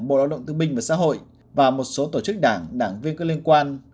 bộ đạo động tư minh và xã hội và một số tổ chức đảng đảng viên cơ liên quan